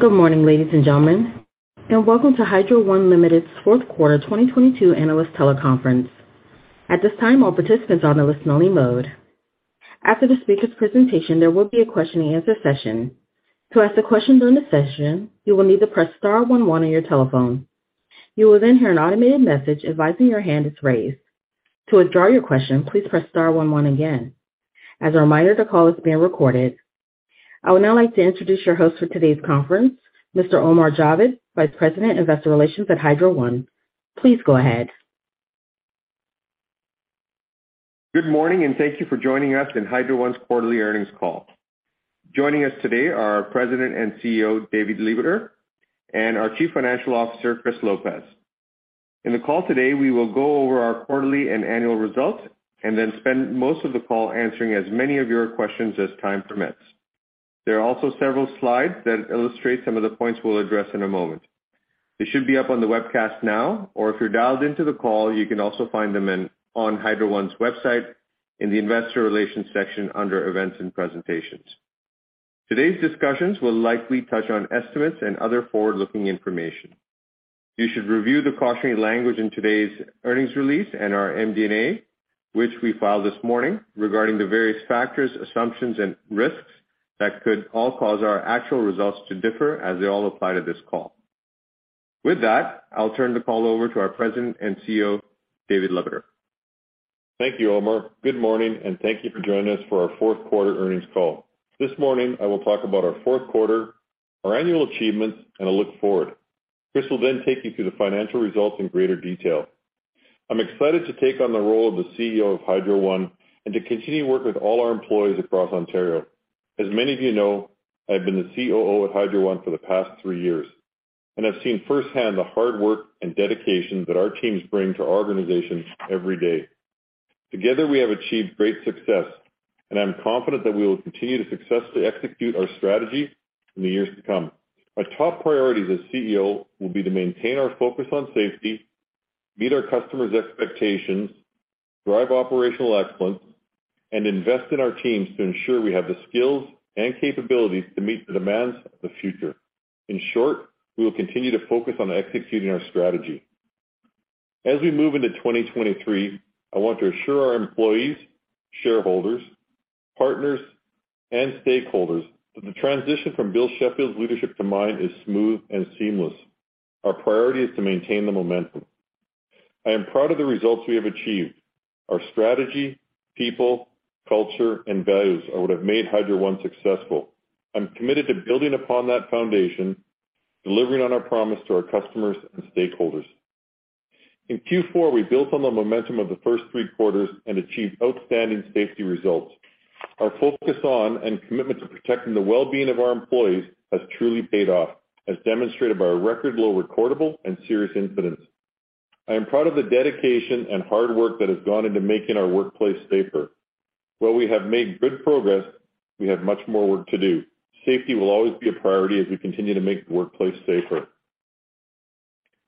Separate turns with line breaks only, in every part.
Good morning, ladies and gentlemen, and welcome to Hydro One Limited's fourth quarter 2022 analyst teleconference. At this time, all participants are on a listen-only mode. After the speaker's presentation, there will be a question-and-answer session. To ask the questions on the session, you will need to press star one one on your telephone. You will then hear an automated message advising your hand is raised. To withdraw your question, please press star one one again. As a reminder, the call is being recorded. I would now like to introduce your host for today's conference, Mr. Omar Javed, Vice President, Investor Relations at Hydro One. Please go ahead.
Good morning, thank you for joining us in Hydro One's quarterly earnings call. Joining us today are our President and CEO, David Lebeter, and our Chief Financial Officer, Chris Lopez. In the call today, we will go over our quarterly and annual results and then spend most of the call answering as many of your questions as time permits. There are also several slides that illustrate some of the points we'll address in a moment. They should be up on the webcast now, or if you're dialed into the call, you can also find them on Hydro One's website in the investor relations section under events and presentations. Today's discussions will likely touch on estimates and other forward-looking information. You should review the cautionary language in today's earnings release and our MD&A, which we filed this morning, regarding the various factors, assumptions, and risks that could all cause our actual results to differ as they all apply to this call. With that, I'll turn the call over to our President and CEO, David Lebeter.
Thank you, Omar. Good morning, and thank you for joining us for our fourth quarter earnings call. This morning, I will talk about our fourth quarter, our annual achievements, and a look forward. Chris will then take you through the financial results in greater detail. I'm excited to take on the role of the CEO of Hydro One and to continue working with all our employees across Ontario. As many of you know, I've been the COO at Hydro One for the past three years, and I've seen firsthand the hard work and dedication that our teams bring to our organization every day. Together, we have achieved great success, and I'm confident that we will continue to successfully execute our strategy in the years to come. My top priority as CEO will be to maintain our focus on safety, meet our customers' expectations, drive operational excellence, and invest in our teams to ensure we have the skills and capabilities to meet the demands of the future. In short, we will continue to focus on executing our strategy. As we move into 2023, I want to assure our employees, shareholders, partners, and stakeholders that the transition Bill Sheffield's leadership to mine is smooth and seamless. Our priority is to maintain the momentum. I am proud of the results we have achieved. Our strategy, people, culture, and values are what have made Hydro One successful. I'm committed to building upon that foundation, delivering on our promise to our customers and stakeholders. In Q4, we built on the momentum of the first three quarters and achieved outstanding safety results. Our focus on and commitment to protecting the well-being of our employees has truly paid off, as demonstrated by our record low recordable and serious incidents. I am proud of the dedication and hard work that has gone into making our workplace safer. While we have made good progress, we have much more work to do. Safety will always be a priority as we continue to make the workplace safer.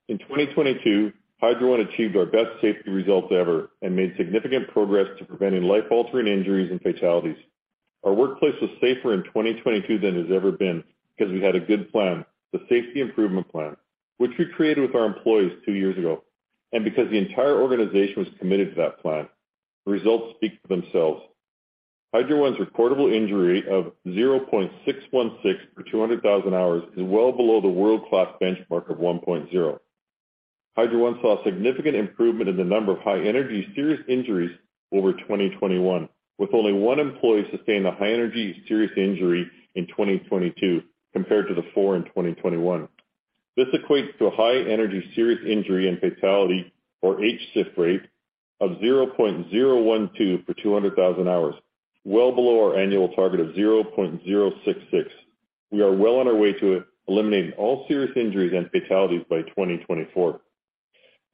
In 2022, Hydro One achieved our best safety results ever and made significant progress to preventing life-altering injuries and fatalities. Our workplace was safer in 2022 than it has ever been because we had a good plan, the Safety Improvement Plan, which we created with our employees two years ago, and because the entire organization was committed to that plan. The results speak for themselves. Hydro One's reportable injury of 0.616 per 200,000 hours is well below the world-class benchmark of 1.0. Hydro One saw a significant improvement in the number of high-energy serious injuries over 2021, with only 1 employee sustaining a high-energy serious injury in 2022 compared to the 4 in 2021. This equates to a high-energy serious injury and fatality, or HSIF rate, of 0.012 per 200,000 hours, well below our annual target of 0.066. We are well on our way to eliminating all serious injuries and fatalities by 2024.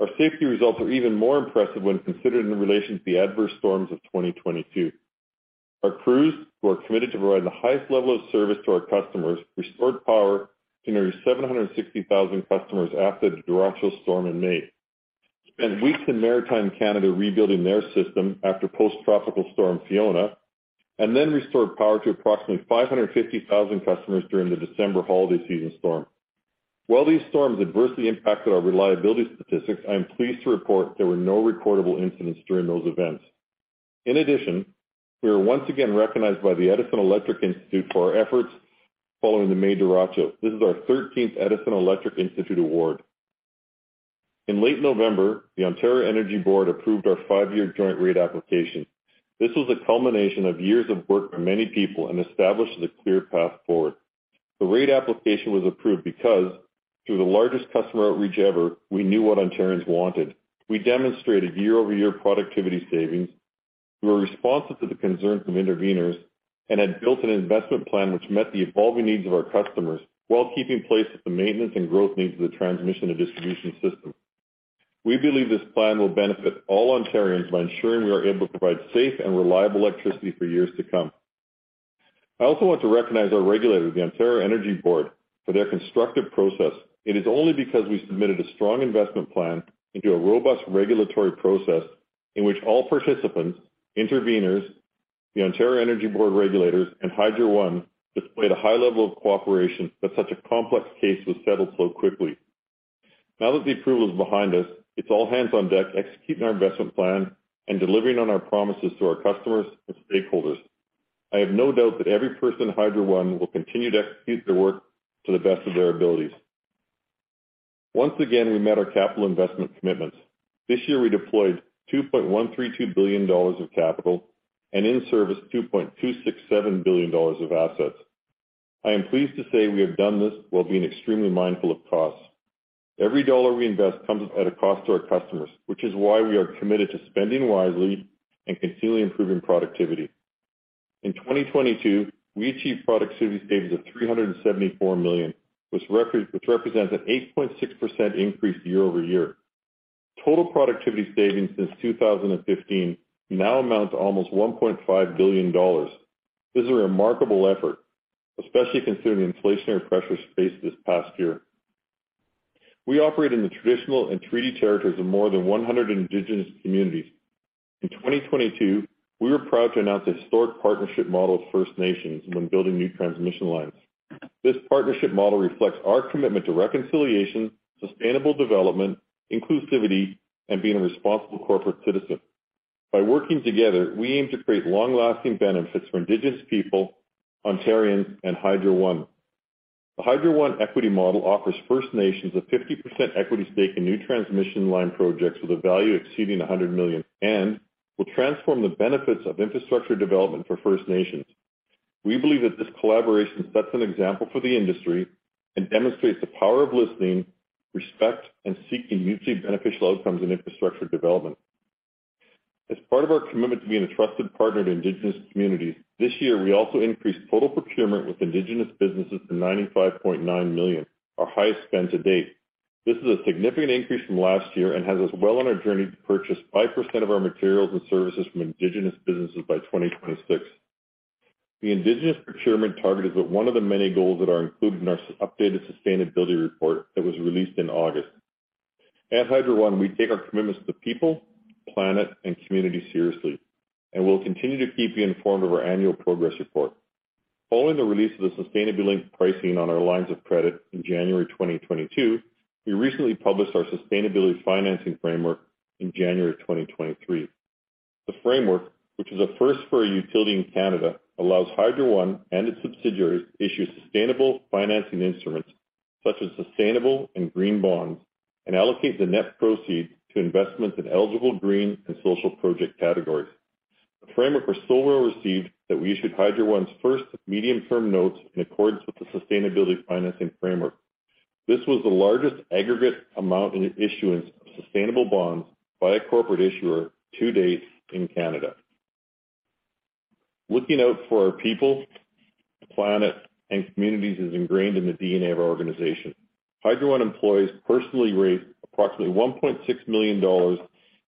Our safety results are even more impressive when considered in relation to the adverse storms of 2022. Our crews, who are committed to providing the highest level of service to our customers, restored power to nearly 760,000 customers after the derecho in May, spent weeks in maritime Canada rebuilding their system after post-tropical storm Fiona, and then restored power to approximately 550,000 customers during the December holiday season storm. While these storms adversely impacted our reliability statistics, I am pleased to report there were no recordable incidents during those events. In addition, we are once again recognized by the Edison Electric Institute for our efforts following the May derecho. This is our 13th Edison Electric Institute award. In late November, the Ontario Energy Board approved our five-year joint rate application. This was a culmination of years of work by many people and establishes a clear path forward. The rate application was approved because, through the largest customer outreach ever, we knew what Ontarians wanted. We demonstrated year-over-year productivity savings. We were responsive to the concerns of intervenors and had built an investment plan which met the evolving needs of our customers while keeping pace at the maintenance and growth needs of the transmission and distribution system. We believe this plan will benefit all Ontarians by ensuring we are able to provide safe and reliable electricity for years to come. I also want to recognize our regulator, the Ontario Energy Board, for their constructive process. It is only because we submitted a strong investment plan into a robust regulatory process in which all participants, intervenors, the Ontario Energy Board regulators and Hydro One displayed a high level of cooperation that such a complex case was settled so quickly. Now that the approval is behind us, it's all hands on deck executing our investment plan and delivering on our promises to our customers and stakeholders. I have no doubt that every person at Hydro One will continue to execute their work to the best of their abilities. Once again, we met our capital investment commitments. This year we deployed 2.132 billion dollars of capital and in service 2.267 billion dollars of assets. I am pleased to say we have done this while being extremely mindful of costs. Every dollar we invest comes at a cost to our customers, which is why we are committed to spending wisely and continually improving productivity. In 2022, we achieved productivity savings of 374 million, which represents an 8.6% increase year-over-year. Total productivity savings since 2015 now amount to almost 1.5 billion dollars. This is a remarkable effort, especially considering the inflationary pressures faced this past year. We operate in the traditional and treaty territories of more than 100 indigenous communities. In 2022, we were proud to announce a historic partnership model with First Nations when building new transmission lines. This partnership model reflects our commitment to reconciliation, sustainable development, inclusivity, and being a responsible corporate citizen. By working together, we aim to create long-lasting benefits for indigenous people, Ontarians, and Hydro One. The Hydro One equity model offers First Nations a 50% equity stake in new transmission line projects with a value exceeding 100 million, and will transform the benefits of infrastructure development for First Nations. We believe that this collaboration sets an example for the industry and demonstrates the power of listening, respect, and seeking mutually beneficial outcomes in infrastructure development. As part of our commitment to being a trusted partner to Indigenous communities, this year we also increased total procurement with Indigenous businesses to 95.9 million, our highest spend to date. This is a significant increase from last year and has us well on our journey to purchase 5% of our materials and services from Indigenous businesses by 2026. The Indigenous procurement target is but one of the many goals that are included in our updated sustainability report that was released in August. At Hydro One, we take our commitments to people, planet, and community seriously. We'll continue to keep you informed of our annual progress report. Following the release of the sustainability pricing on our lines of credit in January 2022, we recently published our sustainability financing framework in January of 2023. The framework, which is a first for a utility in Canada, allows Hydro One and its subsidiaries issue sustainable financing instruments such as sustainable and green bonds, and allocate the net proceeds to investments in eligible green and social project categories. The framework was so well received that we issued Hydro One's first medium-term notes in accordance with the sustainability financing framework. This was the largest aggregate amount in the issuance of sustainable bonds by a corporate issuer to date in Canada. Looking out for our people, the planet, and communities is ingrained in the DNA of our organization. Hydro One employees personally raised approximately $1.6 million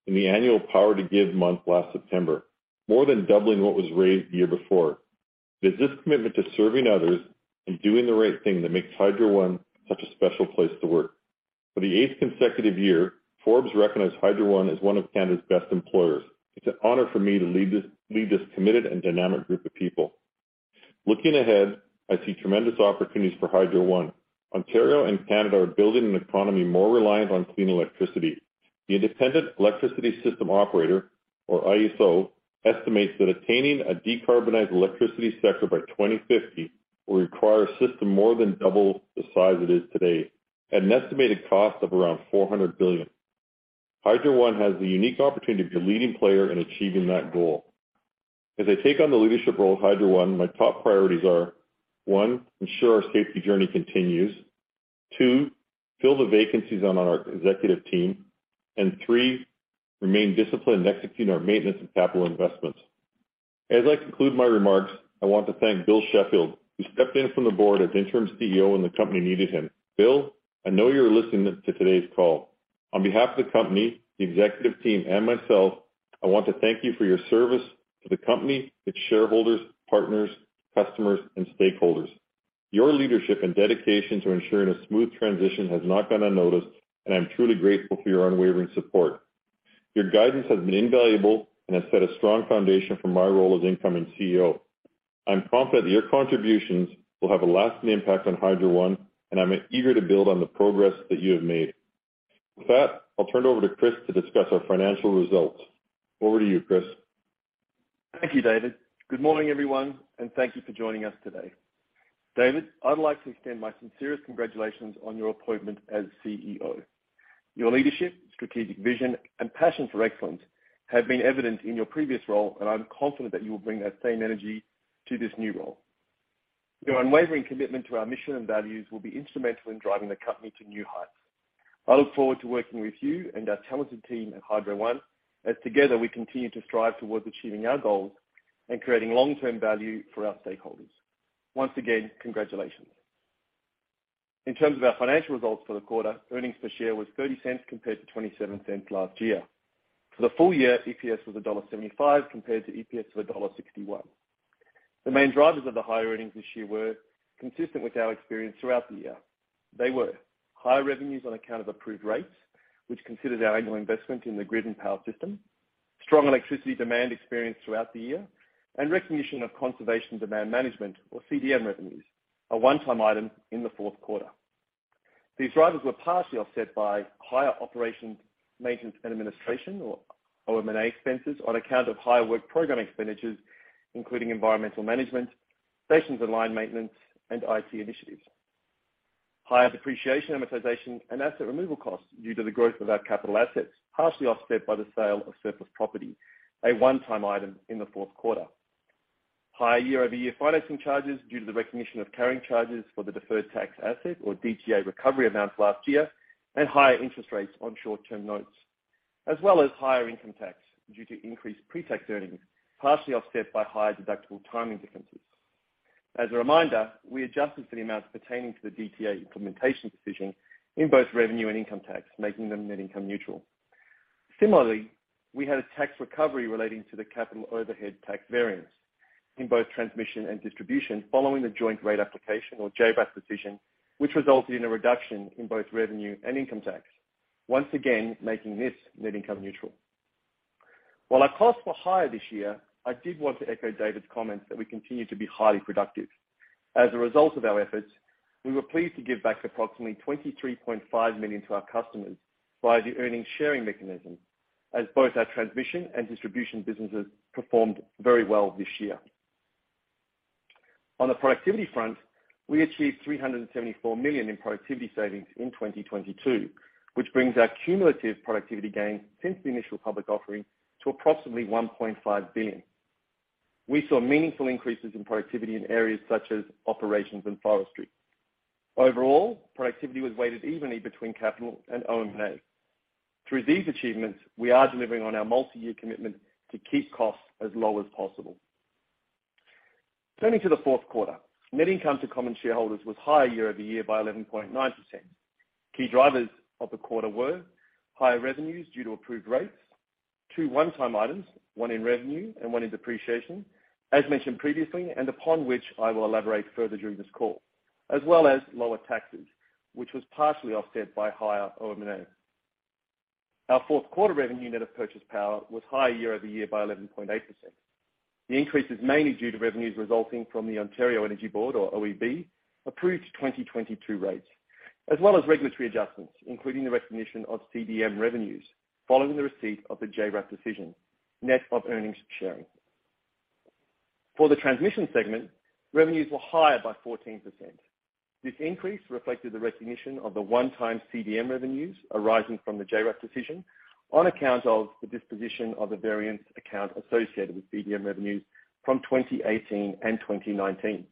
in the annual Power to Give month last September, more than doubling what was raised the year before. It is this commitment to serving others and doing the right thing that makes Hydro One such a special place to work. For the eighth consecutive year, Forbes recognized Hydro One as one of Canada's best employers. It's an honor for me to lead this committed and dynamic group of people. Looking ahead, I see tremendous opportunities for Hydro One. Ontario and Canada are building an economy more reliant on clean electricity. The Independent Electricity System Operator, or IESO, estimates that attaining a decarbonized electricity sector by 2050 will require a system more than double the size it is today at an estimated cost of around $400 billion. Hydro One has the unique opportunity to be a leading player in achieving that goal. As I take on the leadership role at Hydro One, my top priorities are, one, ensure our safety journey continues. Two, fill the vacancies on our executive team. Three, remain disciplined in executing our maintenance and capital investments. As I conclude my remarks, I want to Bill Sheffield, who stepped in from the board as Interim CEO when the company needed him. Bill, I know you're listening to today's call. On behalf of the company, the executive team, and myself, I want to thank you for your service to the company, its shareholders, partners, customers, and stakeholders. Your leadership and dedication to ensuring a smooth transition has not gone unnoticed, and I'm truly grateful for your unwavering support. Your guidance has been invaluable and has set a strong foundation for my role as incoming CEO. I'm confident your contributions will have a lasting impact on Hydro One, and I'm eager to build on the progress that you have made. With that, I'll turn it over to Chris to discuss our financial results. Over to you, Chris.
Thank you, David. Good morning, everyone, and thank you for joining us today. David, I'd like to extend my sincerest congratulations on your appointment as CEO. Your leadership, strategic vision, and passion for excellence have been evident in your previous role, and I'm confident that you will bring that same energy to this new role. Your unwavering commitment to our mission and values will be instrumental in driving the company to new heights. I look forward to working with you and our talented team at Hydro One, as together we continue to strive towards achieving our goals and creating long-term value for our stakeholders. Once again, congratulations. In terms of our financial results for the quarter, earnings per share was 0.30 compared to 0.27 last year. For the full-year, EPS was CAD 1.75 compared to EPS of CAD 1.61. The main drivers of the higher earnings this year were consistent with our experience throughout the year. They were higher revenues on account of approved rates, which considered our annual investment in the grid and power system, strong electricity demand experience throughout the year, and recognition of conservation demand management or CDM revenues, a one-time item in the fourth quarter. These drivers were partially offset by higher operations, maintenance, and administration, or OM&A expenses on account of higher work program expenditures, including environmental management, stations and line maintenance and IT initiatives. Higher depreciation, amortization, and asset removal costs due to the growth of our capital assets, partially offset by the sale of surplus property, a one-time item in the fourth quarter. Higher year-over-year financing charges due to the recognition of carrying charges for the deferred tax asset or DTA recovery amounts last year and higher interest rates on short-term notes, as well as higher income tax due to increased pretax earnings, partially offset by higher deductible timing differences. As a reminder, we adjusted for the amounts pertaining to the DTA implementation decision in both revenue and income tax, making them net income neutral. Similarly, we had a tax recovery relating to the capital overhead tax variance in both transmission and distribution following the Joint Rate Application or JRAT decision, which resulted in a reduction in both revenue and income tax, once again making this net income neutral. While our costs were higher this year, I did want to echo David's comments that we continue to be highly productive. As a result of our efforts, we were pleased to give back approximately 23.5 million to our customers via the earnings sharing mechanism as both our transmission and distribution businesses performed very well this year. On the productivity front, we achieved 374 million in productivity savings in 2022, which brings our cumulative productivity gain since the initial public offering to approximately 1.5 billion. We saw meaningful increases in productivity in areas such as operations and forestry. Overall, productivity was weighted evenly between capital and OM&A. Through these achievements, we are delivering on our multi-year commitment to keep costs as low as possible. Turning to the fourth quarter, net income to common shareholders was higher year-over-year by 11.9%. Key drivers of the quarter were higher revenues due to approved rates, two one-time items, one in revenue and one in depreciation, as mentioned previously, and upon which I will elaborate further during this call, as well as lower taxes, which was partially offset by higher OM&A. Our fourth quarter revenue net of purchase power was higher year-over-year by 11.8%. The increase is mainly due to revenues resulting from the Ontario Energy Board, or OEB, approved 2022 rates, as well as regulatory adjustments, including the recognition of CDM revenues following the receipt of the JRAT decision, net of earnings sharing. For the transmission segment, revenues were higher by 14%. This increase reflected the recognition of the one-time CDM revenues arising from the JRAT decision on account of the disposition of the variance account associated with CDM revenues from 2018 and 2019.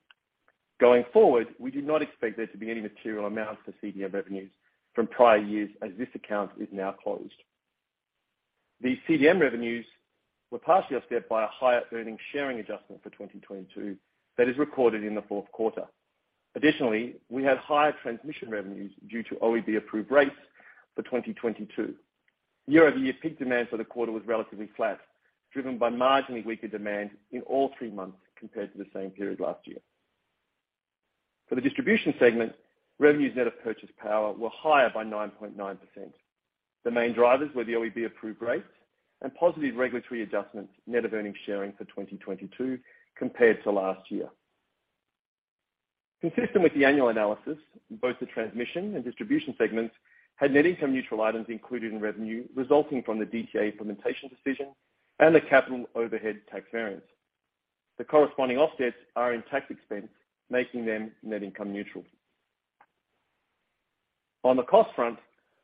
Going forward, we do not expect there to be any material amounts for CDM revenues from prior years as this account is now closed. These CDM revenues were partially offset by a higher earnings sharing adjustment for 2022 that is recorded in the fourth quarter. We had higher transmission revenues due to OEB-approved rates for 2022. Year-over-year peak demand for the quarter was relatively flat, driven by marginally weaker demand in all three months compared to the same period last year. For the distribution segment, revenues net of purchase power were higher by 9.9%. The main drivers were the OEB-approved rates and positive regulatory adjustments, net of earnings sharing for 2022 compared to last year. Consistent with the annual analysis, both the transmission and distribution segments had net income neutral items included in revenue resulting from the DTA implementation decision and the capital overhead tax variance. The corresponding offsets are in tax expense, making them net income neutral. On the cost front,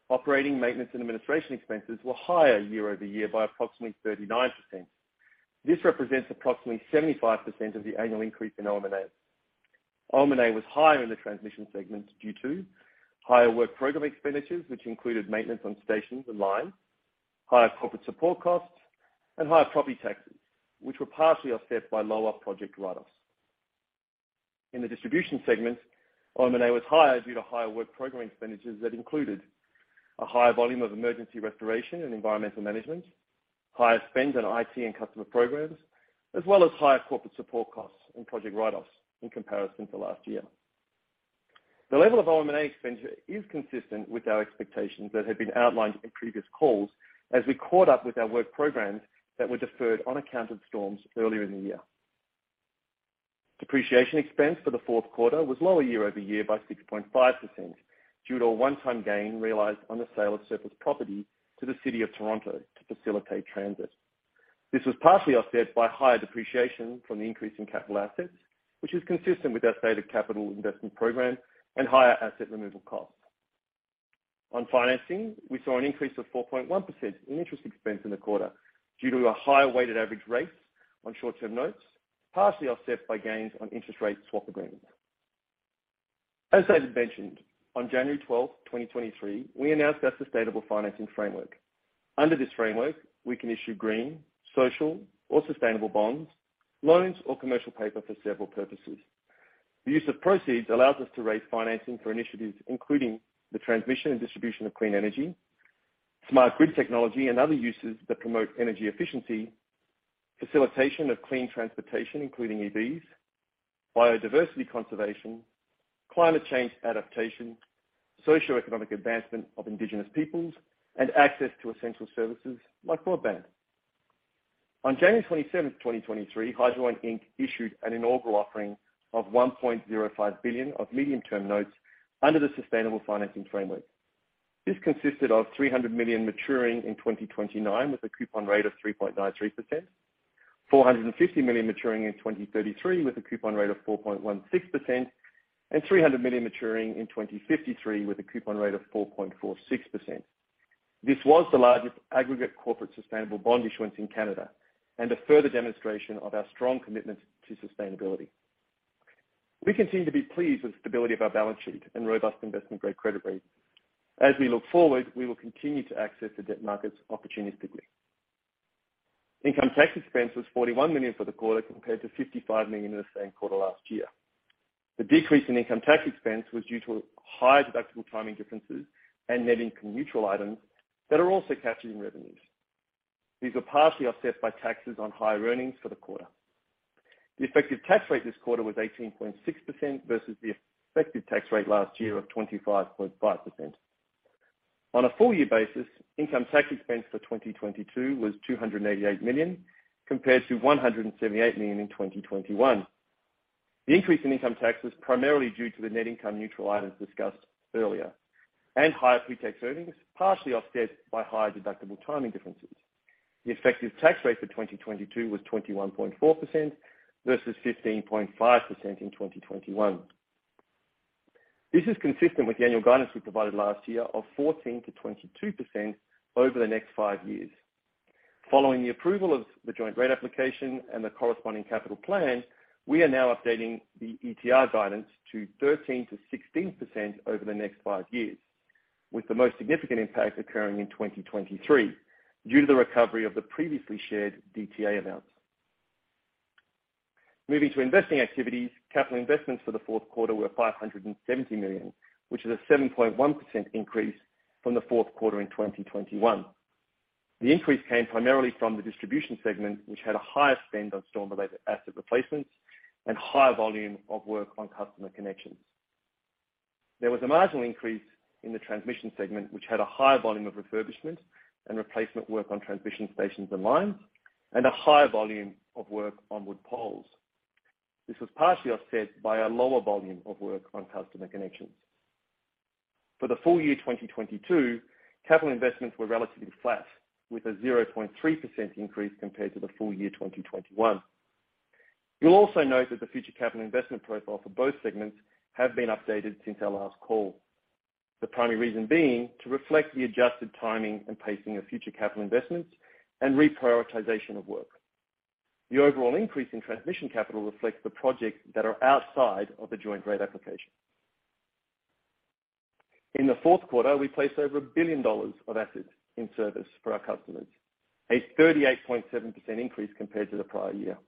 operating maintenance and administration expenses were higher year-over-year by approximately 39%. This represents approximately 75% of the annual increase in OM&A. OM&A was higher in the transmission segment due to higher work program expenditures, which included maintenance on stations and lines, higher corporate support costs, and higher property taxes, which were partially offset by lower project write-offs. In the distribution segment, OM&A was higher due to higher work program expenditures that included a higher volume of emergency restoration and environmental management, higher spend on IT and customer programs, as well as higher corporate support costs and project write-offs in comparison to last year. The level of OM&A expenditure is consistent with our expectations that have been outlined in previous calls as we caught up with our work programs that were deferred on account of storms earlier in the year. Depreciation expense for the fourth quarter was lower year-over-year by 6.5% due to a one-time gain realized on the sale of surplus property to the city of Toronto to facilitate transit. This was partially offset by higher depreciation from the increase in capital assets, which is consistent with our stated capital investment program and higher asset removal costs. On financing, we saw an increase of 4.1% in interest expense in the quarter due to a higher weighted average rate on short-term notes, partially offset by gains on interest rate swap agreements. As David mentioned, on January 12, 2023, we announced our sustainable financing framework. Under this framework, we can issue green, social, or sustainable bonds, loans, or commercial paper for several purposes. The use of proceeds allows us to raise financing for initiatives including the transmission and distribution of clean energy, smart grid technology and other uses that promote energy efficiency, facilitation of clean transportation, including EVs, biodiversity conservation, climate change adaptation, socioeconomic advancement of indigenous peoples, and access to essential services like broadband. On January 27, 2023, Hydro One Inc. issued an inaugural offering of 1.05 billion of medium-term notes under the sustainable financing framework. This consisted of 300 million maturing in 2029 with a coupon rate of 3.93%, 450 million maturing in 2033 with a coupon rate of 4.16%, and 300 million maturing in 2053 with a coupon rate of 4.46%. This was the largest aggregate corporate sustainable bond issuance in Canada and a further demonstration of our strong commitment to sustainability. We continue to be pleased with the stability of our balance sheet and robust investment-grade credit rating. As we look forward, we will continue to access the debt markets opportunistically. Income tax expense was 41 million for the quarter compared to 55 million in the same quarter last year. The decrease in income tax expense was due to higher deductible timing differences and net income neutral items that are also captured in revenues. These were partially offset by taxes on higher earnings for the quarter. The effective tax rate this quarter was 18.6% versus the effective tax rate last year of 25.5%. On a full-year basis, income tax expense for 2022 was 288 million, compared to 178 million in 2021. The increase in income tax was primarily due to the net income neutral items discussed earlier and higher pre-tax earnings, partially offset by higher deductible timing differences. The effective tax rate for 2022 was 21.4% versus 15.5% in 2021. This is consistent with the annual guidance we provided last year of 14%-22% over the next five years. Following the approval of the joint rate application and the corresponding capital plan, we are now updating the ETR guidance to 13%-16% over the next five years, with the most significant impact occurring in 2023 due to the recovery of the previously shared DTA amounts. Moving to investing activities. Capital investments for the fourth quarter were 570 million, which is a 7.1% increase from the fourth quarter in 2021. The increase came primarily from the distribution segment, which had a higher spend on storm-related asset replacements and higher volume of work on customer connections. There was a marginal increase in the transmission segment, which had a higher volume of refurbishment and replacement work on transmission stations and lines, and a higher volume of work on wood poles. This was partially offset by a lower volume of work on customer connections. For the full-year 2022, capital investments were relatively flat, with a 0.3% increase compared to the full-year 2021. You'll also note that the future capital investment profile for both segments have been updated since our last call. The primary reason being to reflect the adjusted timing and pacing of future capital investments and reprioritization of work. The overall increase in transmission capital reflects the projects that are outside of the joint rate application. In the fourth quarter, we placed over 1 billion dollars of assets in service for our customers, a 38.7% increase compared to the prior year.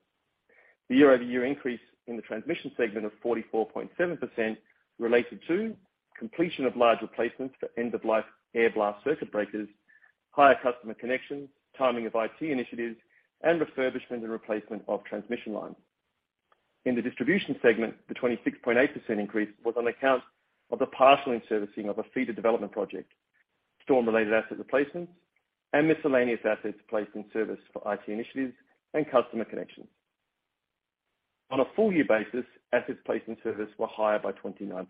The year-over-year increase in the transmission segment of 44.7% related to completion of large replacements for end-of-life air blast circuit breakers, higher customer connections, timing of IT initiatives, and refurbishment and replacement of transmission lines. In the distribution segment, the 26.8% increase was on account of the partial in-servicing of a feeder development project, storm-related asset replacements, and miscellaneous assets placed in service for IT initiatives and customer connections. On a full-year basis, assets placed in service were higher by 29%.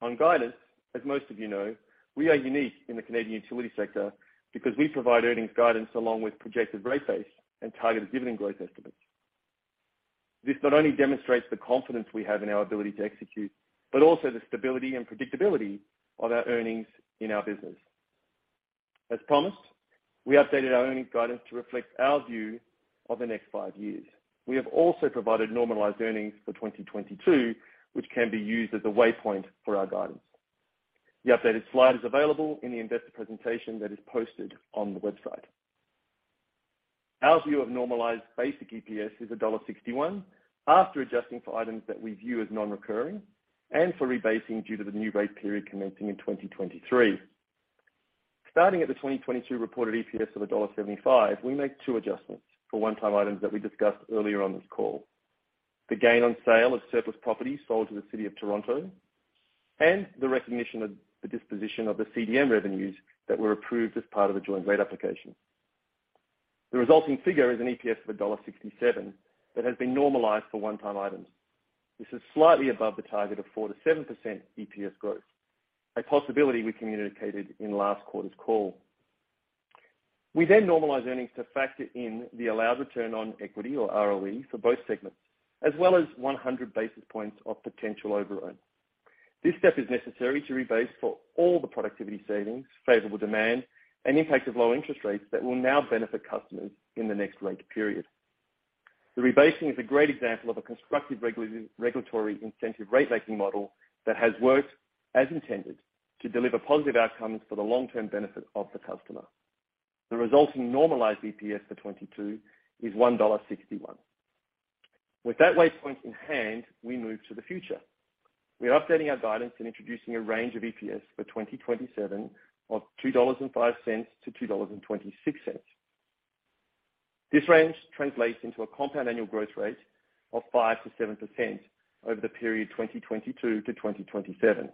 On guidance, as most of you know, we are unique in the Canadian utility sector because we provide earnings guidance along with projected rate base and targeted dividend growth estimates. This not only demonstrates the confidence we have in our ability to execute, but also the stability and predictability of our earnings in our business. As promised, we updated our earnings guidance to reflect our view of the next five years. We have also provided normalized earnings for 2022, which can be used as a waypoint for our guidance. The updated slide is available in the investor presentation that is posted on the website. Our view of normalized basic EPS is $1.61 after adjusting for items that we view as non-recurring and for rebasing due to the new rate period commencing in 2023. Starting at the 2022 reported EPS of $1.75, we make two adjustments for one-time items that we discussed earlier on this call. The gain on sale of surplus properties sold to the City of Toronto and the recognition of the disposition of the CDM revenues that were approved as part of a joint rate application. The resulting figure is an EPS of $1.67 that has been normalized for one-time items. This is slightly above the target of 4%-7% EPS growth, a possibility we communicated in last quarter's call. We normalize earnings to factor in the allowed return on equity or ROE for both segments, as well as 100 basis points of potential overrun. This step is necessary to rebase for all the productivity savings, favorable demand, and impact of low interest rates that will now benefit customers in the next rate period. The rebasing is a great example of a constructive regulatory incentive rate making model that has worked as intended to deliver positive outcomes for the long-term benefit of the customer. The resulting normalized EPS for 2022 is 1.61 dollar. That waypoint in hand, we move to the future. We are updating our guidance and introducing a range of EPS for 2027 of 2.05-2.26 dollars. This range translates into a compound annual growth rate of 5%-7% over the period 2022 to 2027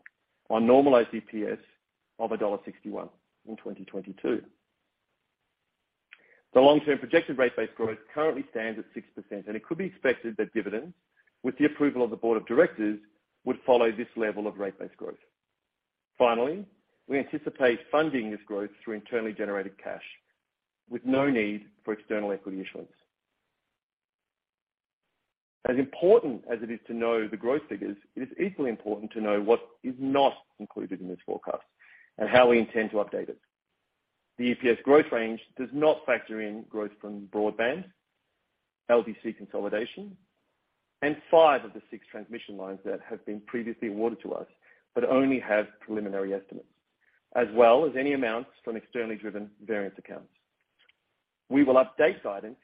on normalized EPS of dollar 1.61 in 2022. The long-term projected rate base growth currently stands at 6%. It could be expected that dividends, with the approval of the board of directors, would follow this level of rate-based growth. We anticipate funding this growth through internally generated cash with no need for external equity issuance. As important as it is to know the growth figures, it is equally important to know what is not included in this forecast and how we intend to update it. The EPS growth range does not factor in growth from broadband, LDC consolidation, and five of the six transmission lines that have been previously awarded to us, but only have preliminary estimates, as well as any amounts from externally driven variance accounts. We will update guidance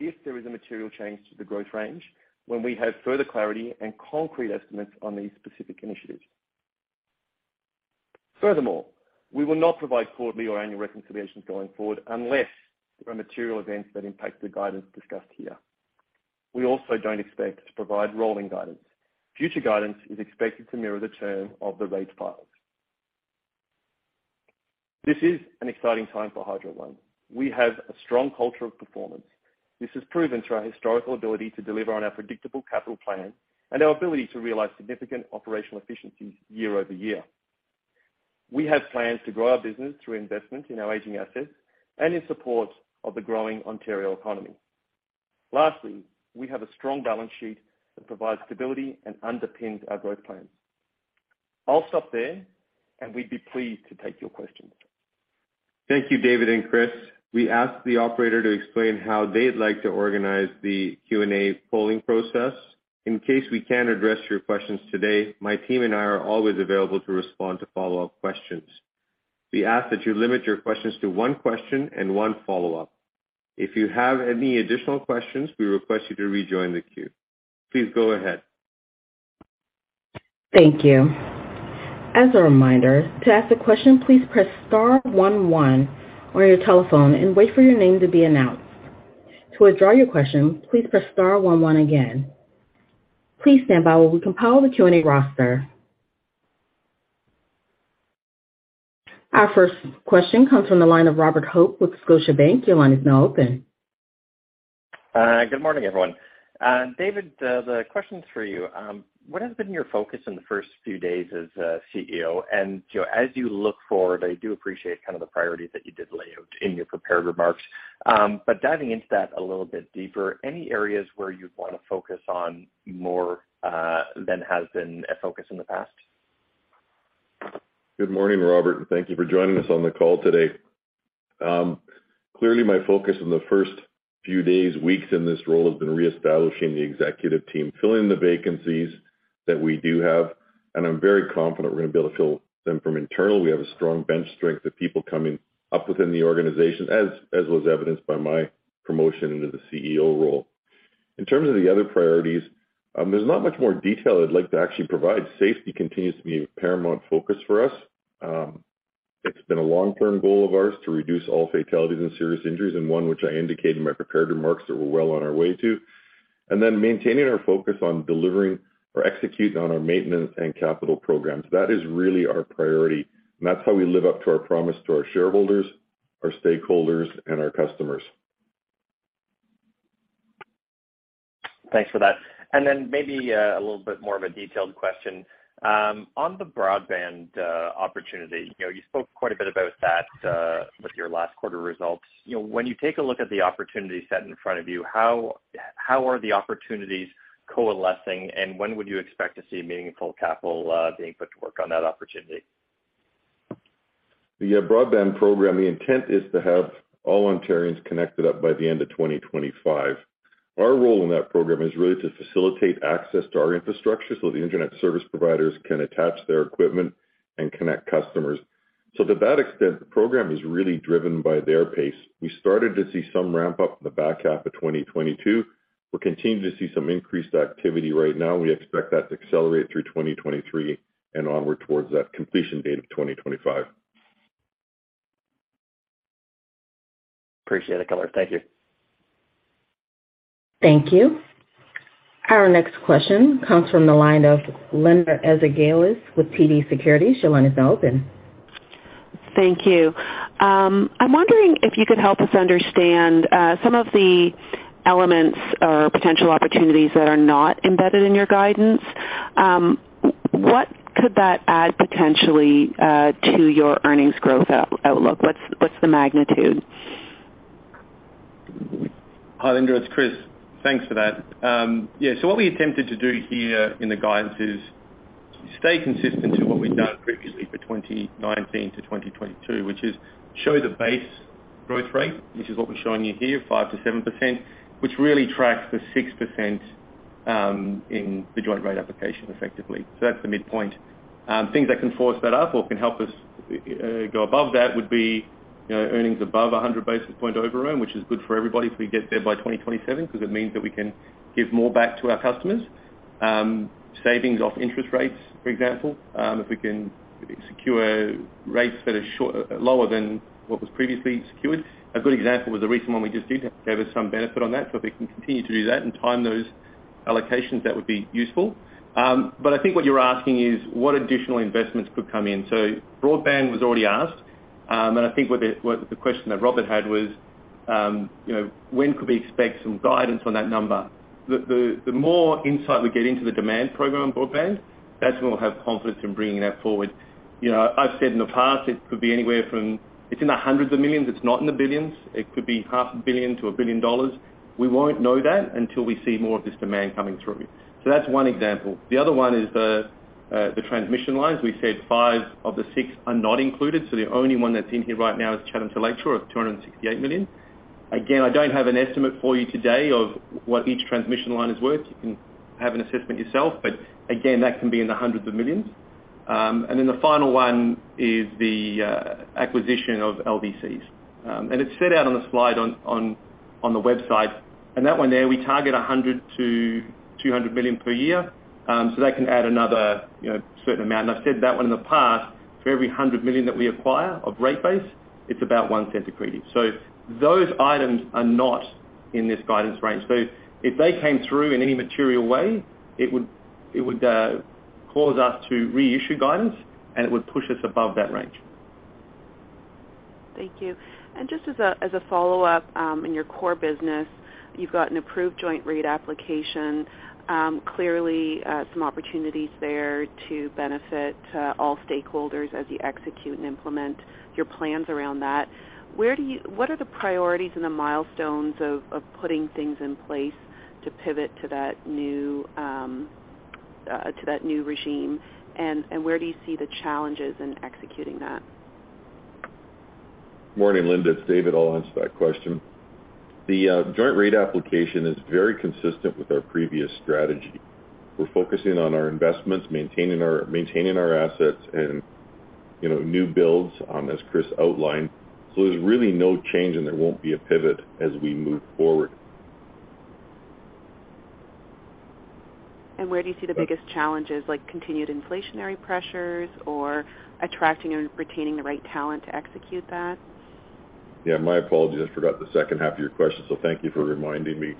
if there is a material change to the growth range when we have further clarity and concrete estimates on these specific initiatives. We will not provide quarterly or annual reconciliations going forward unless there are material events that impact the guidance discussed here. We also don't expect to provide rolling guidance. Future guidance is expected to mirror the term of the rates filed. This is an exciting time for Hydro One. We have a strong culture of performance. This is proven through our historical ability to deliver on our predictable capital plan and our ability to realize significant operational efficiencies year-over-year. We have plans to grow our business through investment in our aging assets and in support of the growing Ontario economy. Lastly, we have a strong balance sheet that provides stability and underpins our growth plans. I'll stop there, and we'd be pleased to take your questions.
Thank you, David and Chris. We ask the operator to explain how they'd like to organize the Q&A polling process. In case we can't address your questions today, my team and I are always available to respond to follow-up questions. We ask that you limit your questions to one question and one follow-up. If you have any additional questions, we request you to rejoin the queue. Please go ahead.
Thank you. As a reminder, to ask a question, please press star one one on your telephone and wait for your name to be announced. To withdraw your question, please press star one one again. Please stand by while we compile the Q&A roster. Our first question comes from the line of Robert Hope with Scotiabank. Your line is now open.
Good morning, everyone. David, the question's for you. What has been your focus in the first few days as CEO? You know, as you look forward, I do appreciate kind of the priorities that you did lay out in your prepared remarks. Diving into that a little bit deeper, any areas where you'd wanna focus on more than has been a focus in the past?
Good morning, Robert, and thank you for joining us on the call today. Clearly my focus in the first few days, weeks in this role has been reestablishing the executive team, filling the vacancies that we do have, and I'm very confident we're gonna be able to fill them from internal. We have a strong bench strength of people coming up within the organization as was evidenced by my promotion into the CEO role. In terms of the other priorities, there's not much more detail I'd like to actually provide. Safety continues to be a paramount focus for us. It's been a long-term goal of ours to reduce all fatalities and serious injuries and one which I indicated in my prepared remarks that we're well on our way to. Maintaining our focus on delivering or executing on our maintenance and capital programs. That is really our priority. That's how we live up to our promise to our shareholders, our stakeholders, and our customers.
Thanks for that. Then maybe, a little bit more of a detailed question. On the broadband opportunity, you know, you spoke quite a bit about that with your last quarter results. You know, when you take a look at the opportunity set in front of you, how are the opportunities coalescing, and when would you expect to see meaningful capital being put to work on that opportunity?
The broadband program, the intent is to have all Ontarians connected up by the end of 2025. Our role in that program is really to facilitate access to our infrastructure so the internet service providers can attach their equipment and connect customers. To that extent, the program is really driven by their pace. We started to see some ramp up in the back half of 2022. We're continuing to see some increased activity right now. We expect that to accelerate through 2023 and onward towards that completion date of 2025.
Appreciate it. Thank you.
Thank you. Our next question comes from the line of Linda Ezergailis with TD Securities. Your line is now open.
Thank you. I'm wondering if you could help us understand some of the elements or potential opportunities that are not embedded in your guidance. What could that add potentially to your earnings growth out-outlook? What's the magnitude?
Hi, Linda, it's Chris. Thanks for that. Yeah, what we attempted to do here in the guidance is stay consistent to what we've done previously for 2019 to 2022, which is show the base growth rate, which is what we're showing you here, 5%-7%, which really tracks the 6% in the joint rate application effectively. That's the midpoint. Things that can force that up or can help us, you know, earnings above a 100 basis point overrun, which is good for everybody if we get there by 2027 because it means that we can give more back to our customers. Savings off interest rates, for example, if we can secure rates that are lower than what was previously secured. A good example was the recent one we just did that gave us some benefit on that. If we can continue to do that and time those allocations, that would be useful. I think what you're asking is what additional investments could come in. Broadband was already asked, and I think what the question that Robert had was, you know, when could we expect some guidance on that number? The more insight we get into the demand program on broadband, that's when we'll have confidence in bringing that forward. You know, I've said in the past, it could be anywhere from. It's in the hundreds of millions CAD. It's not in the billions CAD. It could be CAD half a billion to 1 billion dollars. We won't know that until we see more of this demand coming through. That's one example. The other one is the transmission lines. We said five of the six are not included. The only one that's in here right now is Chatham to Lakeshore, 268 million. Again, I don't have an estimate for you today of what each transmission line is worth. You can have an assessment yourself. Again, that can be in the hundreds of millions CAD. The final one is the acquisition of LDCs. It's set out on the slide on the website. That one there, we target 100 million-200 million per year, so that can add another, you know, certain amount. I've said that one in the past, for every 100 million that we acquire of rate base, it's about 0.01 of credit. Those items are not in this guidance range. If they came through in any material way, it would cause us to reissue guidance, and it would push us above that range.
Thank you. Just as a, as a follow-up, in your core business, you've got an approved joint rate application. Clearly, some opportunities there to benefit all stakeholders as you execute and implement your plans around that. What are the priorities and the milestones of putting things in place to pivot to that new regime? Where do you see the challenges in executing that?
Morning, Linda. It's David. I'll answer that question. The joint rate application is very consistent with our previous strategy. We're focusing on our investments, maintaining our assets and, you know, new builds, as Chris outlined. There's really no change, there won't be a pivot as we move forward.
Where do you see the biggest challenges, like continued inflationary pressures or attracting and retaining the right talent to execute that?
My apologies. I forgot the second half of your question, so thank you for reminding me.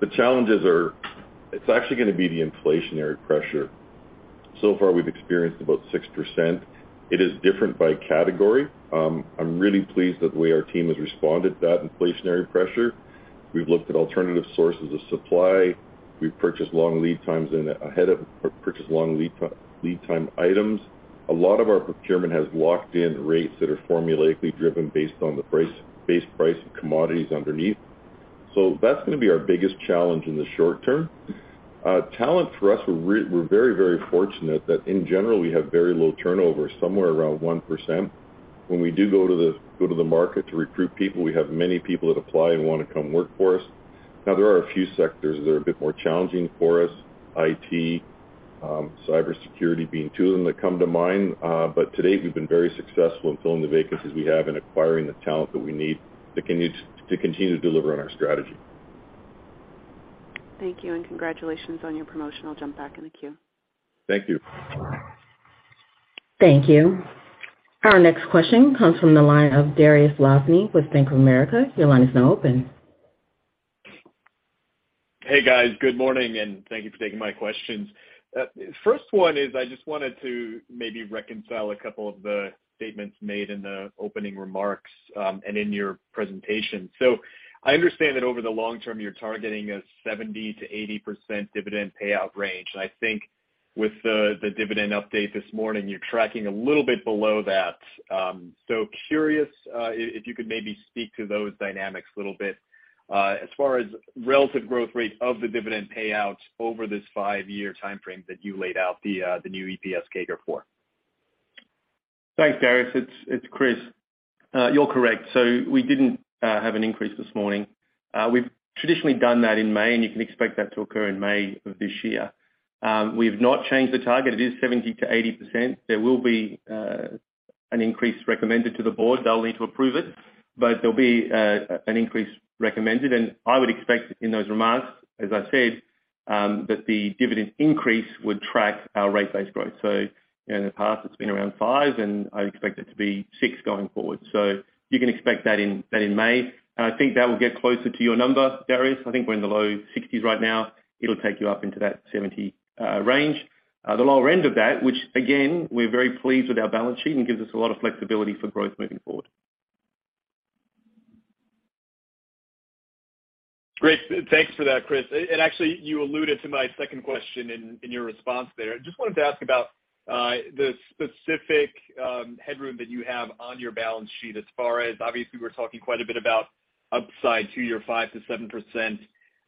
The challenges are, it's actually gonna be the inflationary pressure. Far, we've experienced about 6%. It is different by category. I'm really pleased with the way our team has responded to that inflationary pressure. We've looked at alternative sources of supply. We've purchased long lead times in ahead of purchased long lead time items. A lot of our procurement has locked in rates that are formulaically driven based on the price, base price of commodities underneath. That's gonna be our biggest challenge in the short term. Talent for us, we're very, very fortunate that, in general, we have very low turnover, somewhere around 1%. When we do go to the market to recruit people, we have many people that apply and wanna come work for us. There are a few sectors that are a bit more challenging for us, IT, cybersecurity being two of them that come to mind. To date, we've been very successful in filling the vacancies we have and acquiring the talent that we need to continue to deliver on our strategy.
Thank you, and congratulations on your promotion. I'll jump back in the queue.
Thank you.
Thank you. Our next question comes from the line of Dariusz Lozny with Bank of America. Your line is now open.
Hey, guys. Good morning, and thank you for taking my questions. First one is I just wanted to maybe reconcile a couple of the statements made in the opening remarks, and in your presentation. I understand that over the long term, you're targeting a 70%-80% dividend payout range. I think with the dividend update this morning, you're tracking a little bit below that. So curious, if you could maybe speak to those dynamics a little bit, as far as relative growth rates of the dividend payouts over this five-year timeframe that you laid out the new EPS CAGR for.
Thanks, Darius. It's Chris. You're correct. We didn't have an increase this morning. We've traditionally done that in May. You can expect that to occur in May of this year. We have not changed the target. It is 70%-80%. There will be an increase recommended to the board. They'll need to approve it, but there'll be an increase recommended. I would expect in those remarks, as I said, that the dividend increase would track our rate base growth. You know, in the past, it's been around five, and I expect it to be six going forward. You can expect that in May. I think that will get closer to your number, Darius. I think we're in the low 60s right now. It'll take you up into that 70 range. The lower end of that, which again, we're very pleased with our balance sheet and gives us a lot of flexibility for growth moving forward. Great. Thanks for that, Chris.
Actually, you alluded to my second question in your response there. I just wanted to ask about the specific headroom that you have on your balance sheet as far as obviously we're talking quite a bit about upside to your 5%-7%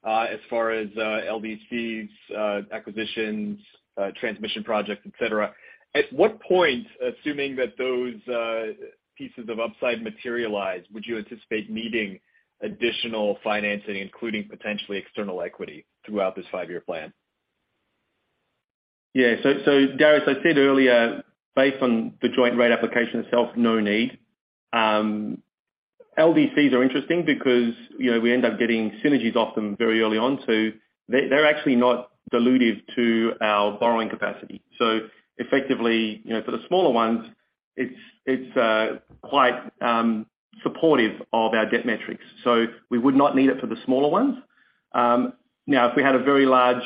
as far as LDCs, acquisitions, transmission projects, et cetera. At what point, assuming that those pieces of upside materialize, would you anticipate needing additional financing, including potentially external equity throughout this five-year plan? So, Dariusz, I said earlier, based on the joint rate application itself, no need. LDCs are interesting because, you know, we end up getting synergies off them very early on too. They're actually not dilutive to our borrowing capacity. Effectively, you know, for the smaller ones, it's quite supportive of our debt metrics.
We would not need it for the smaller ones. Now, if we had a very large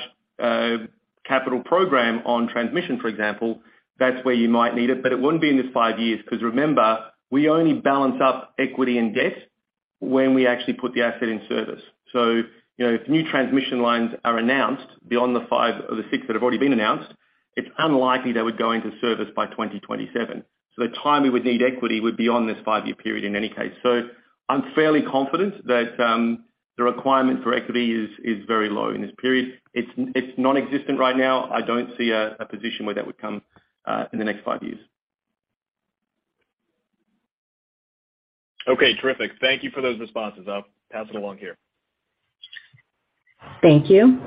capital program on transmission, for example, that's where you might need it, but it wouldn't be in this 5 years. Because remember, we only balance up equity and debt when we actually put the asset in service. You know, if new transmission lines are announced beyond the 5 or the 6 that have already been announced, it's unlikely they would go into service by 2027. The time we would need equity would be on this 5-year period in any case. I'm fairly confident that the requirement for equity is very low in this period. It's non-existent right now. I don't see a position where that would come in the next 5 years.
Okay, terrific. Thank you for those responses. I'll pass it along here.
Thank you.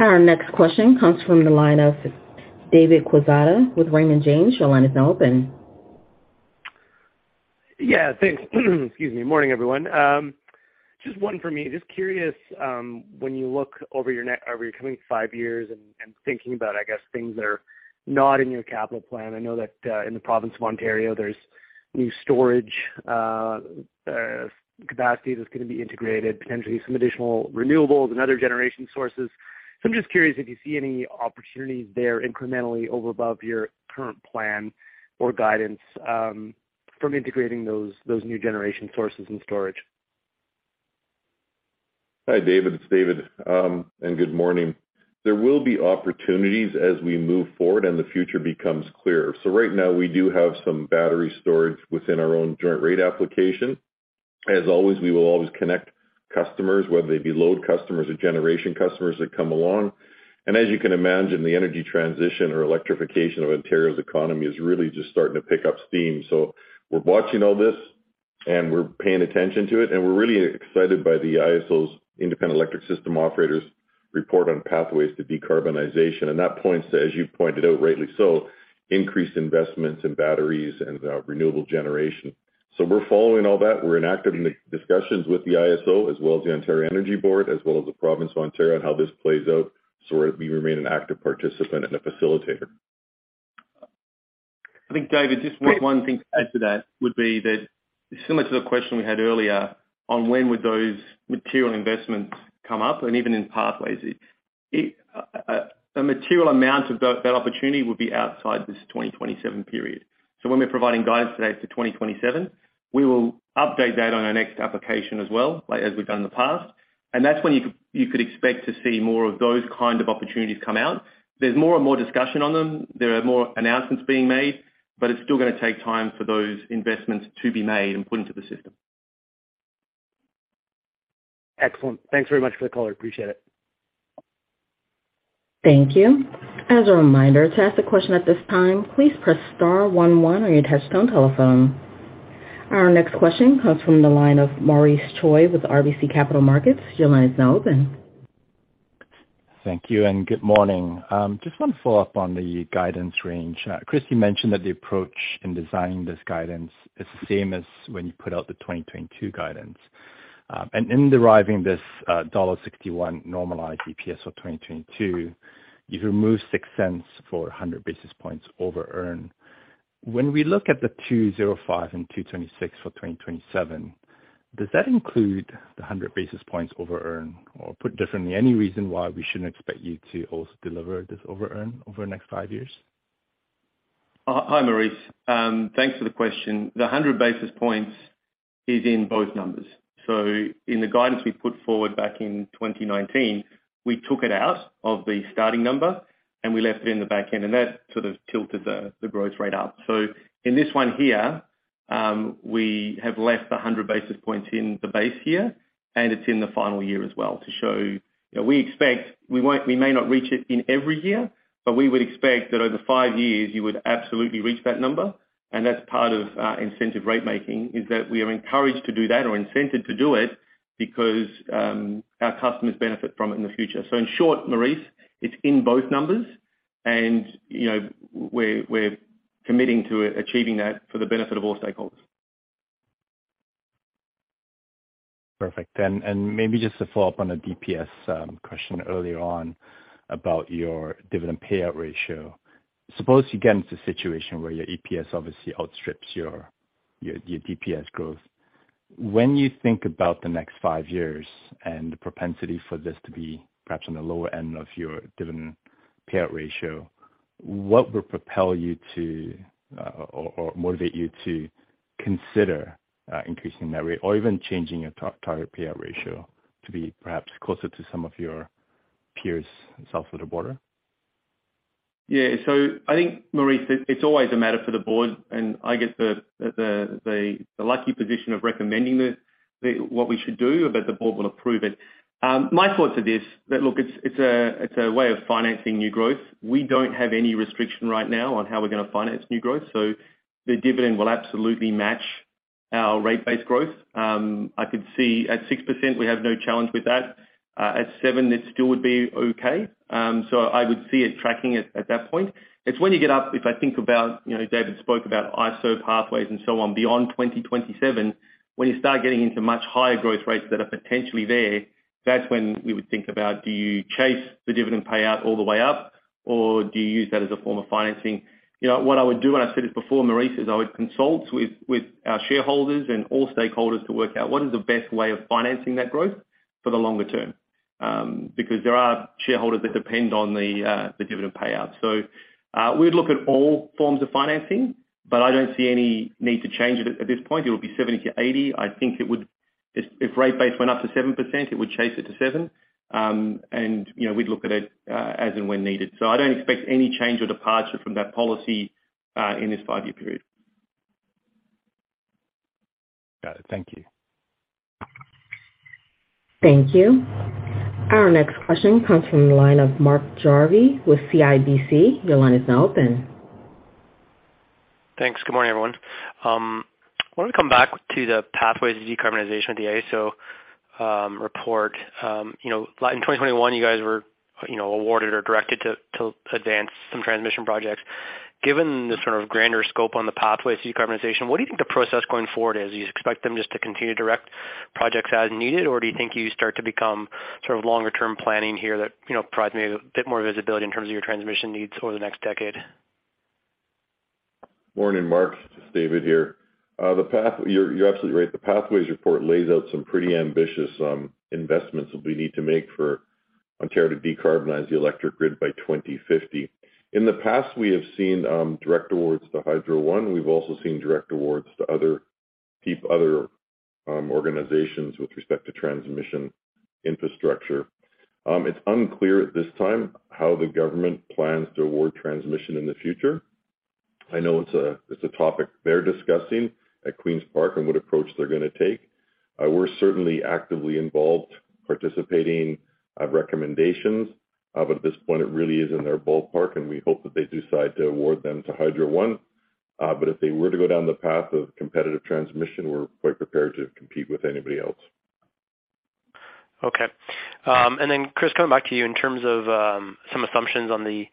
Our next question comes from the line of David Quezada with Raymond James. Your line is now open.
Yeah, thanks. Excuse me. Morning, everyone. Just one for me. Just curious, when you look over your coming five years and thinking about, I guess, things that are not in your capital plan. I know that, in the province of Ontario, there's new storage capacity that's gonna be integrated, potentially some additional renewables and other generation sources. I'm just curious if you see any opportunities there incrementally over above your current plan or guidance from integrating those new generation sources and storage.
Hi, David, it's David. Good morning. There will be opportunities as we move forward and the future becomes clearer. Right now, we do have some battery storage within our own joint rate application. As always, we will always connect customers, whether they be load customers or generation customers that come along. As you can imagine, the energy transition or electrification of Ontario's economy is really just starting to pick up steam. We're watching all this, and we're paying attention to it, and we're really excited by the ISO's Independent Electricity System Operator's report on Pathways to Decarbonization. That points to, as you pointed out rightly so, increased investments in batteries and renewable generation. We're following all that. We're in active discussions with the ISO as well as the Ontario Energy Board, as well as the province of Ontario on how this plays out. We remain an active participant and a facilitator.
I think, David, just one thing to add to that would be that similar to the question we had earlier on when would those material investments come up and even in Pathways. It, a material amount of that opportunity would be outside this 2027 period. When we're providing guidance today to 2027, we will update that on our next application as well, like as we've done in the past. That's when you could expect to see more of those kind of opportunities come out. There's more and more discussion on them. There are more announcements being made. It's still gonna take time for those investments to be made and put into the system.
Excellent. Thanks very much for the call. I appreciate it.
Thank you. As a reminder, to ask a question at this time, please press star one one on your touchtone telephone. Our next question comes from the line of Maurice Choi with RBC Capital Markets. Your line is now open.
Thank you and good morning. just wanna follow up on the guidance range. Chris, you mentioned that the approach in designing this guidance is the same as when you put out the 2022 guidance. In deriving this, CAD 1.61 normalized EPS for 2022, you've removed 0.06 for a 100 basis points over earn. When we look at the 2025 and 2026 for 2027, does that include the 100 basis points over earn? Put differently, any reason why we shouldn't expect you to also deliver this over earn over the next 5 years?
Hi, Maurice. Thanks for the question. The 100 basis points is in both numbers. In the guidance we put forward back in 2019, we took it out of the starting number, and we left it in the back end, and that sort of tilted the growth rate up. In this one here, we have left the 100 basis points in the base here, and it's in the final year as well to show, you know, we expect we may not reach it in every year, but we would expect that over five years, you would absolutely reach that number. That's part of incentive rate making, is that we are encouraged to do that or incented to do it because our customers benefit from it in the future. In short, Maurice, it's in both numbers and, you know, we're committing to achieving that for the benefit of all stakeholders.
Perfect. Maybe just to follow up on the DPS question earlier on about your dividend payout ratio. Suppose you get into a situation where your EPS obviously outstrips your DPS growth. When you think about the next five years and the propensity for this to be perhaps on the lower end of your dividend payout ratio, what would propel you to or motivate you to consider increasing that rate or even changing your target payout ratio to be perhaps closer to some of your peers south of the border?
I think, Maurice, it's always a matter for the board, and I get the lucky position of recommending what we should do, but the board will approve it. My thoughts are this, that look, it's a way of financing new growth. We don't have any restriction right now on how we're gonna finance new growth, so the dividend will absolutely match Our rate base growth. I could see at 6%, we have no challenge with that. At 7%, it still would be okay. I would see it tracking it at that point. It's when you get up, if I think about, you know, David spoke about ESO Pathways and so on beyond 2027, when you start getting into much higher growth rates that are potentially there, that's when we would think about do you chase the dividend payout all the way up, or do you use that as a form of financing? You know, what I would do, and I said it before, Maurice, is I would consult with our shareholders and all stakeholders to work out what is the best way of financing that growth for the longer term. because there are shareholders that depend on the dividend payout. We'd look at all forms of financing, but I don't see any need to change it at this point. It would be 70%-80%. I think it would... If rate base went up to 7%, it would chase it to 7%. You know, we'd look at it as and when needed. I don't expect any change or departure from that policy in this five-year period.
Got it. Thank you.
Thank you. Our next question comes from the line of Mark Jarvi with CIBC. Your line is now open.
Thanks. Good morning, everyone. I wanna come back to the Pathways to Decarbonization of the IESO report. You know, like in 2021, you guys were, you know, awarded or directed to advance some transmission projects. Given the sort of grander scope on the Pathways to Decarbonization, what do you think the process going forward is? Do you expect them just to continue to direct projects as needed, or do you think you start to become sort of longer term planning here that, you know, provides maybe a bit more visibility in terms of your transmission needs over the next decade?
Morning, Mark. This is David here. You're absolutely right. The Pathways report lays out some pretty ambitious investments that we need to make for Ontario to decarbonize the electric grid by 2050. In the past, we have seen direct awards to Hydro One. We've also seen direct awards to other organizations with respect to transmission infrastructure. It's unclear at this time how the government plans to award transmission in the future. I know it's a topic they're discussing at Queen's Park and what approach they're gonna take. We're certainly actively involved participating, recommendations, but at this point, it really is in their ballpark, and we hope that they do decide to award them to Hydro One. If they were to go down the path of competitive transmission, we're quite prepared to compete with anybody else.
Okay. Then Chris, coming back to you in terms of some assumptions on the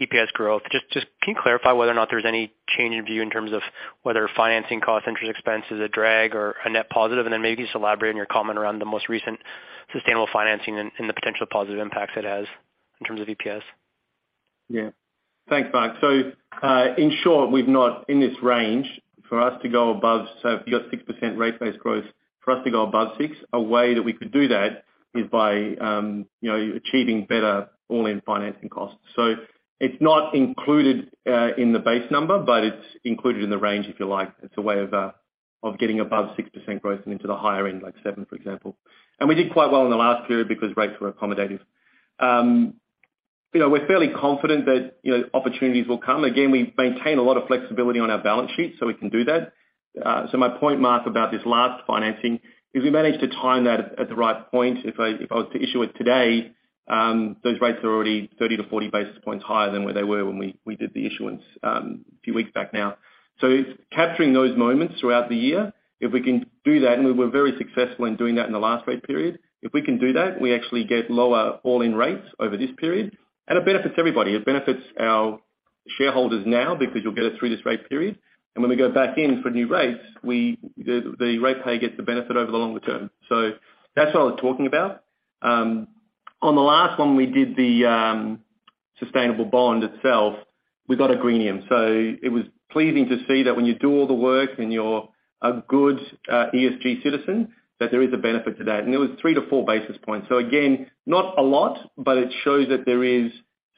EPS growth. Just can you clarify whether or not there's any change in view in terms of whether financing cost interest expense is a drag or a net positive? Then maybe just elaborate on your comment around the most recent sustainable financing and the potential positive impacts it has in terms of EPS.
Thanks, Mark. In short, we've not in this range. For us to go above, if you've got 6% rate base growth, for us to go above six, a way that we could do that is by, you know, achieving better all-in financing costs. It's not included in the base number, but it's included in the range, if you like. It's a way of getting above 6% growth and into the higher end, like seven, for example. We did quite well in the last period because rates were accommodative. You know, we're fairly confident that, you know, opportunities will come. Again, we maintain a lot of flexibility on our balance sheet, so we can do that. My point, Mark, about this last financing is we managed to time that at the right point. If I, if I was to issue it today, those rates are already 30 to 40 basis points higher than where they were when we did the issuance a few weeks back now. It's capturing those moments throughout the year. If we can do that, and we were very successful in doing that in the last rate period. If we can do that, we actually get lower all-in rates over this period, and it benefits everybody. It benefits our shareholders now because you'll get it through this rate period. When we go back in for new rates, the ratepayer gets the benefit over the longer term. That's what I was talking about. On the last one, we did the sustainable bond itself. We got a greenium. It was pleasing to see that when you do all the work and you're a good ESG citizen, that there is a benefit to that. It was 3-4 basis points. Again, not a lot, but it shows that there is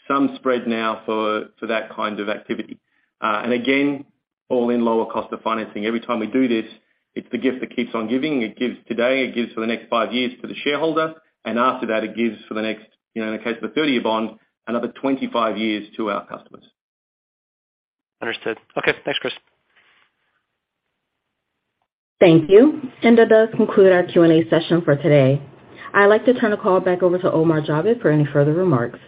some spread now for that kind of activity. Again, all in lower cost of financing. Every time we do this, it's the gift that keeps on giving. It gives today, it gives for the next five years for the shareholder, and after that, it gives for the next, you know, in the case of a 30-year bond, another 25 years to our customers.
Understood. Okay. Thanks, Chris.
Thank you. That does conclude our Q&A session for today. I'd like to turn the call back over to Omar Javed for any further remarks.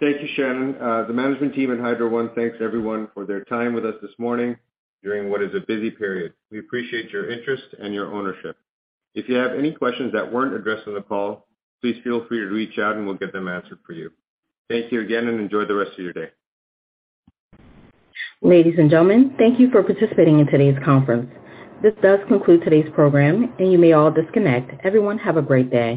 Thank you, Shannon. The management team and Hydro One thanks everyone for their time with us this morning during what is a busy period. We appreciate your interest and your ownership. If you have any questions that weren't addressed on the call, please feel free to reach out and we'll get them answered for you. Thank you again and enjoy the rest of your day.
Ladies and gentlemen, thank you for participating in today's conference. This does conclude today's program and you may all disconnect. Everyone have a great day.